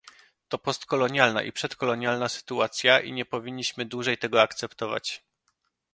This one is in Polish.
To postkolonialna i przedkolonialna sytuacja i nie powinniśmy dłużej tego akceptować